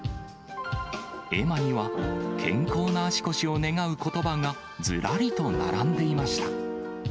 絵馬には、健康な足腰を願うことばが、ずらりと並んでいました。